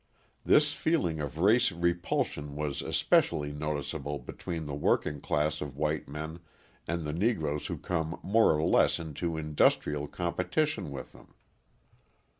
This feeling of race repulsion was especially noticeable between the working class of white men and the Negroes who come more or less into industrial competition with them.